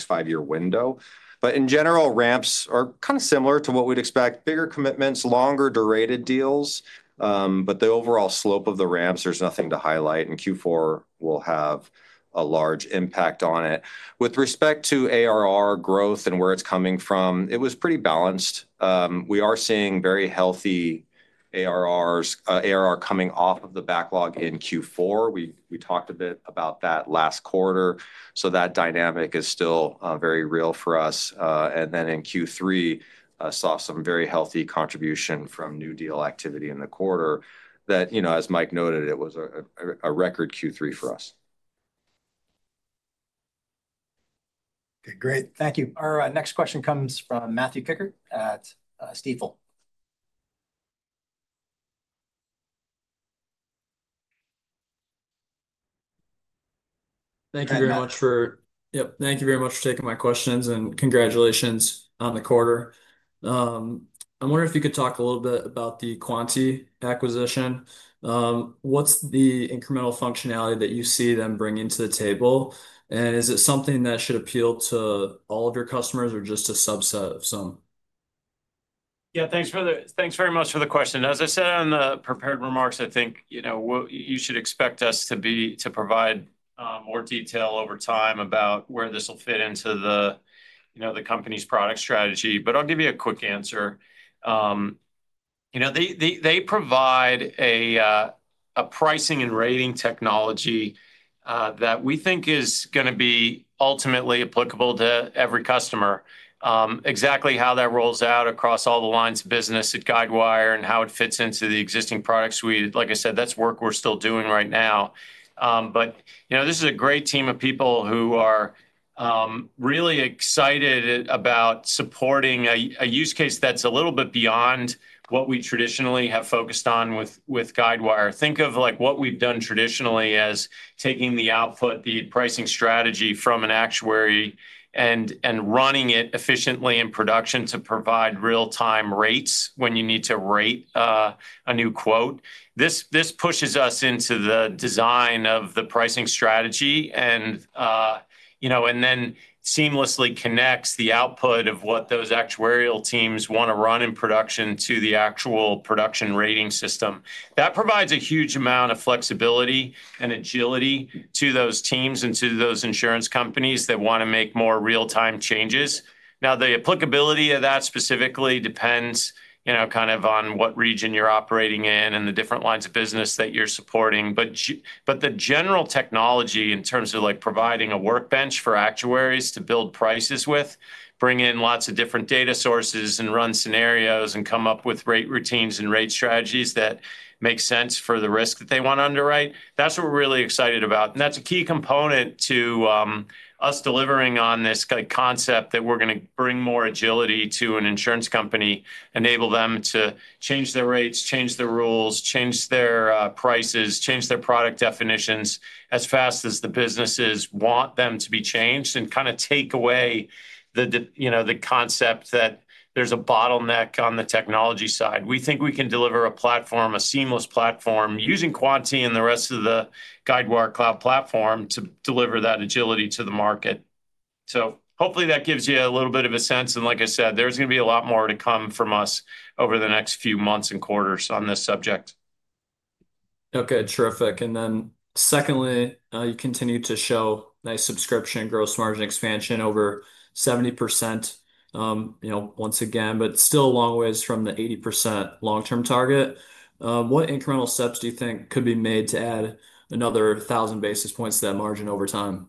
five-year window. In general, ramps are kind of similar to what we'd expect, bigger commitments, longer durated deals. The overall slope of the ramps, there is nothing to highlight. Q4 will have a large impact on it. With respect to ARR growth and where it is coming from, it was pretty balanced. We are seeing very healthy ARRs coming off of the backlog in Q4. We talked a bit about that last quarter. That dynamic is still very real for us. Then in Q3, I saw some very healthy contribution from new deal activity in the quarter that, you know, as Mike noted, it was a record Q3 for us. Okay. Great. Thank you. Our next question comes from Matthew Pickett at Stifel Thank you very much for yep. Thank you very much for taking my questions and congratulations on the quarter. I'm wondering if you could talk a little bit about the Quanti acquisition. What's the incremental functionality that you see them bringing to the table? And is it something that should appeal to all of your customers or just a subset of some? Yeah. Thanks for the thanks very much for the question. As I said on the prepared remarks, I think, you know, you should expect us to provide more detail over time about where this will fit into the, you know, the company's product strategy. I'll give you a quick answer. You know, they provide a pricing and rating technology that we think is going to be ultimately applicable to every customer. Exactly how that rolls out across all the lines of business at Guidewire and how it fits into the existing product suite, like I said, that's work we're still doing right now. You know, this is a great team of people who are really excited about supporting a use case that's a little bit beyond what we traditionally have focused on with Guidewire. Think of like what we've done traditionally as taking the output, the pricing strategy from an actuary and running it efficiently in production to provide real-time rates when you need to rate a new quote. This pushes us into the design of the pricing strategy and, you know, and then seamlessly connects the output of what those actuarial teams want to run in production to the actual production rating system. That provides a huge amount of flexibility and agility to those teams and to those insurance companies that want to make more real-time changes. Now, the applicability of that specifically depends, you know, kind of on what region you're operating in and the different lines of business that you're supporting. The general technology in terms of like providing a workbench for actuaries to build prices with, bring in lots of different data sources and run scenarios and come up with rate routines and rate strategies that make sense for the risk that they want to underwrite, that's what we're really excited about. That's a key component to us delivering on this concept that we're going to bring more agility to an insurance company, enable them to change their rates, change their rules, change their prices, change their product definitions as fast as the businesses want them to be changed and kind of take away the, you know, the concept that there's a bottleneck on the technology side. We think we can deliver a platform, a seamless platform using Quanti and the rest of the Guidewire Cloud Platform to deliver that agility to the market. Hopefully that gives you a little bit of a sense. Like I said, there's going to be a lot more to come from us over the next few months and quarters on this subject. Okay. Terrific. Secondly, you continue to show nice subscription gross margin expansion over 70%, you know, once again, but still a long ways from the 80% long-term target. What incremental steps do you think could be made to add another 1,000 basis points to that margin over time?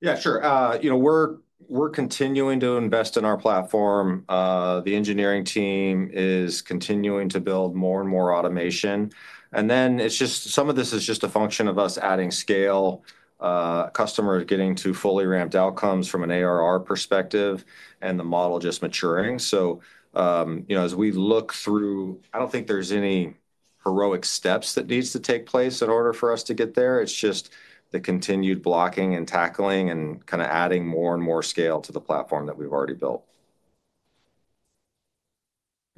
Yeah, sure. You know, we're continuing to invest in our platform. The engineering team is continuing to build more and more automation. Some of this is just a function of us adding scale, customers getting to fully ramped outcomes from an ARR perspective, and the model just maturing. As we look through, I do not think there are any heroic steps that need to take place in order for us to get there. It is just the continued blocking and tackling and kind of adding more and more scale to the platform that we have already built.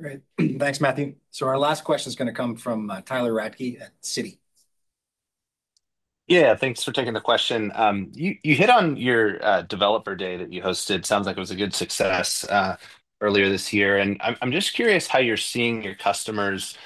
Great. Thanks, Matthew. Our last question is going to come from Tyler Radke at Citi. Yeah. Thanks for taking the question. You hit on your developer day that you hosted. Sounds like it was a good success earlier this year. I am just curious how you are seeing your customers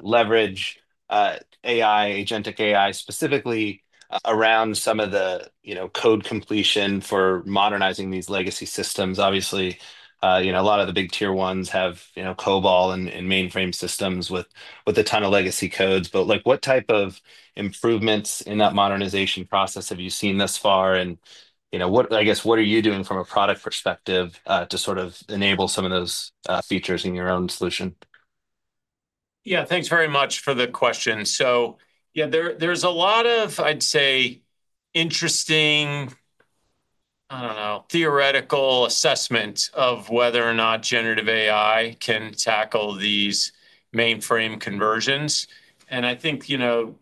leverage AI, agentic AI specifically around some of the, you know, code completion for modernizing these legacy systems. Obviously, a lot of the big tier ones have, you know, COBOL and mainframe systems with a ton of legacy codes. Like, what type of improvements in that modernization process have you seen thus far? You know, what are you doing from a product perspective to sort of enable some of those features in your own solution? Yeah. Thanks very much for the question. Yeah, there's a lot of, I'd say, interesting, I don't know, theoretical assessment of whether or not generative AI can tackle these mainframe conversions. I think, you know,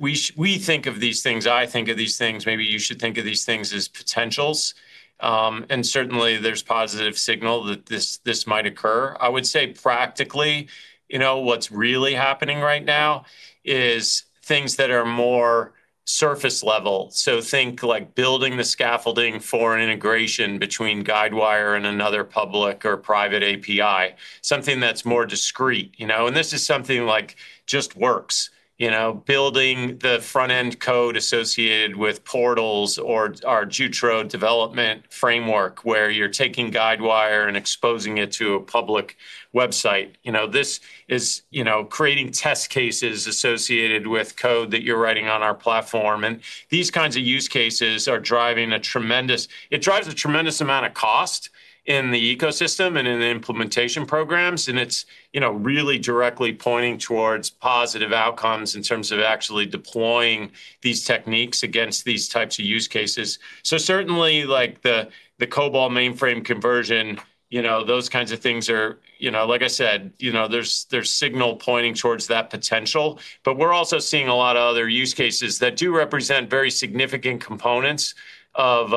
we think of these things, I think of these things, maybe you should think of these things as potentials. Certainly, there's positive signal that this might occur. I would say practically, you know, what's really happening right now is things that are more surface level. Think like building the scaffolding for an integration between Guidewire and another public or private API, something that's more discreet, you know. This is something like just works, you know, building the front-end code associated with portals or our Jutro development framework where you're taking Guidewire and exposing it to a public website. You know, this is creating test cases associated with code that you're writing on our platform. These kinds of use cases are driving a tremendous amount of cost in the ecosystem and in the implementation programs. It's really directly pointing towards positive outcomes in terms of actually deploying these techniques against these types of use cases. Certainly, like the COBOL mainframe conversion, you know, those kinds of things are, you know, like I said, there's signal pointing towards that potential. We're also seeing a lot of other use cases that do represent very significant components of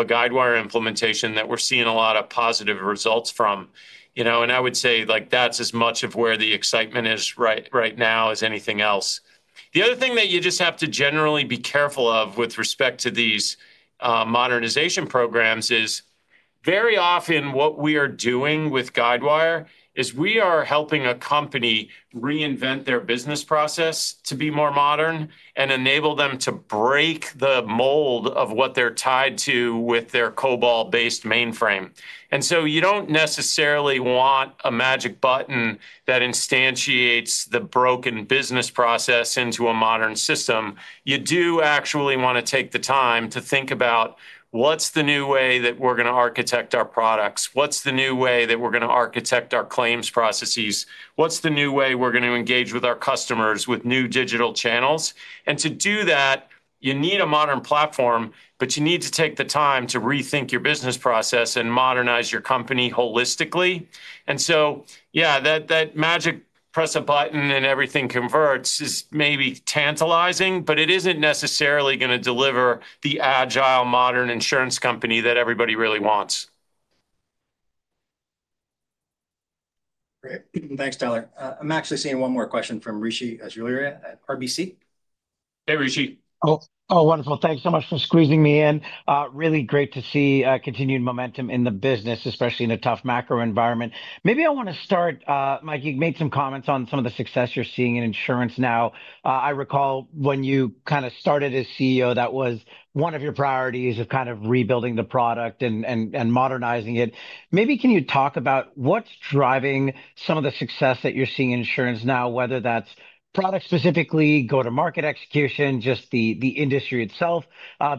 a Guidewire implementation that we're seeing a lot of positive results from, you know. I would say like that's as much of where the excitement is right now as anything else. The other thing that you just have to generally be careful of with respect to these modernization programs is very often what we are doing with Guidewire is we are helping a company reinvent their business process to be more modern and enable them to break the mold of what they're tied to with their COBOL-based mainframe. You do not necessarily want a magic button that instantiates the broken business process into a modern system. You do actually want to take the time to think about what's the new way that we're going to architect our products, what's the new way that we're going to architect our claims processes, what's the new way we're going to engage with our customers with new digital channels. To do that, you need a modern platform, but you need to take the time to rethink your business process and modernize your company holistically. Yeah, that magic press a button and everything converts is maybe tantalizing, but it isn't necessarily going to deliver the agile, modern insurance company that everybody really wants. Great. Thanks, Tyler. I'm actually seeing one more question from Rishi Jaluria at RBC. Hey, Rishi. Oh, wonderful. Thanks so much for squeezing me in. Really great to see continued momentum in the business, especially in a tough macro environment. Maybe I want to start, Mike, you've made some comments on some of the success you're seeing in InsuranceNow. I recall when you kind of started as CEO, that was one of your priorities of kind of rebuilding the product and modernizing it. Maybe can you talk about what's driving some of the success that you're seeing in InsuranceNow, whether that's product-specifically, go-to-market execution, just the industry itself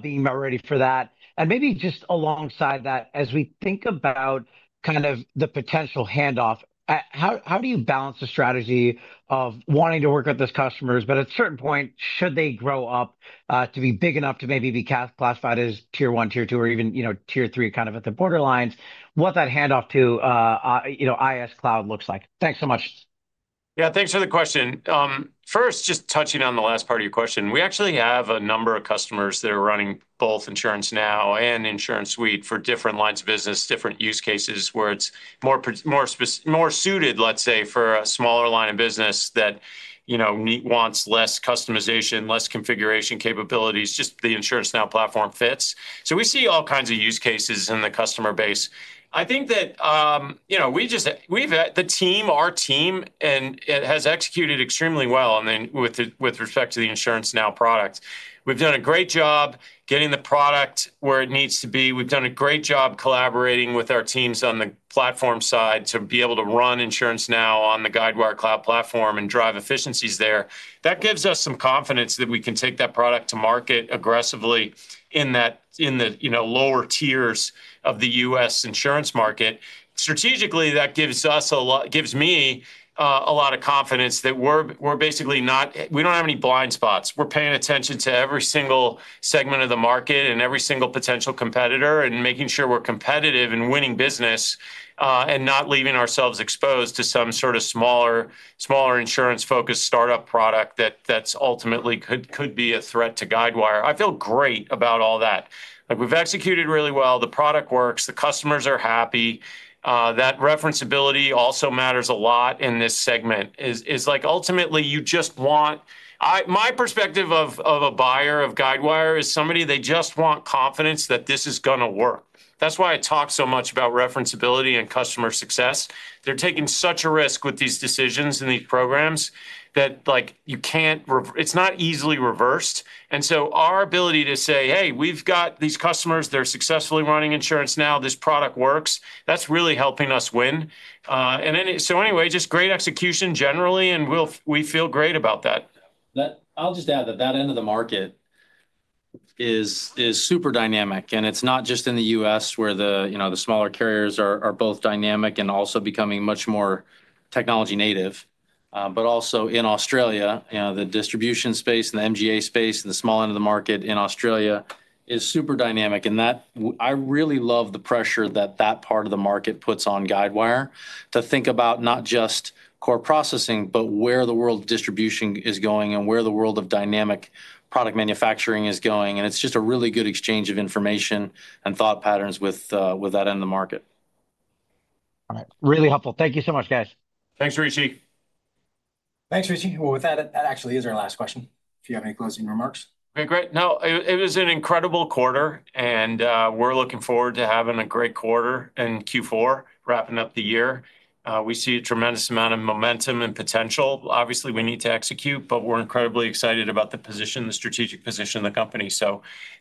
being ready for that. Maybe just alongside that, as we think about kind of the potential handoff, how do you balance the strategy of wanting to work with those customers, but at a certain point, should they grow up to be big enough to maybe be classified as tier one, tier two, or even, you know, tier three kind of at the borderlines, what that handoff to, you know, Guidewire Cloud Platform looks like? Thanks so much. Yeah, thanks for the question. First, just touching on the last part of your question, we actually have a number of customers that are running both InsuranceNow and InsuranceSuite for different lines of business, different use cases where it's more suited, let's say, for a smaller line of business that, you know, wants less customization, less configuration capabilities, just the InsuranceNow platform fits. We see all kinds of use cases in the customer base. I think that, you know, the team, our team, has executed extremely well. With respect to the InsuranceNow product, we've done a great job getting the product where it needs to be. We've done a great job collaborating with our teams on the platform side to be able to run InsuranceNow on the Guidewire Cloud Platform and drive efficiencies there. That gives us some confidence that we can take that product to market aggressively in the, you know, lower tiers of the U.S. insurance market. Strategically, that gives us a lot, gives me a lot of confidence that we're basically not, we don't have any blind spots. We're paying attention to every single segment of the market and every single potential competitor and making sure we're competitive and winning business and not leaving ourselves exposed to some sort of smaller insurance-focused startup product that ultimately could be a threat to Guidewire. I feel great about all that. Like, we've executed really well. The product works. The customers are happy. That referenceability also matters a lot in this segment. Ultimately, you just want, my perspective of a buyer of Guidewire is somebody, they just want confidence that this is going to work. That's why I talk so much about referenceability and customer success. They're taking such a risk with these decisions and these programs that you can't, it's not easily reversed. Our ability to say, hey, we've got these customers, they're successfully running InsuranceNow, this product works, that's really helping us win. Anyway, just great execution generally, and we feel great about that. I'll just add that that end of the market is super dynamic. It's not just in the U.S. where the, you know, the smaller carriers are both dynamic and also becoming much more technology native, but also in Australia, you know, the distribution space and the MGA space and the small end of the market in Australia is super dynamic. I really love the pressure that that part of the market puts on Guidewire to think about not just core processing, but where the world of distribution is going and where the world of dynamic product manufacturing is going. It's just a really good exchange of information and thought patterns with that end of the market. All right. Really helpful. Thank you so much, guys. Thanks, Rishi. Thanks, Rishi. That actually is our last question. If you have any closing remarks. Okay, great. No, it was an incredible quarter, and we're looking forward to having a great quarter in Q4, wrapping up the year. We see a tremendous amount of momentum and potential. Obviously, we need to execute, but we're incredibly excited about the position, the strategic position of the company.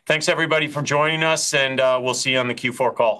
Thanks, everybody, for joining us, and we'll see you on the Q4 call.